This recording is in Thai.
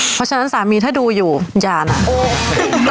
เพราะฉะนั้นสามีถ้าดูอยู่อย่านะโอ้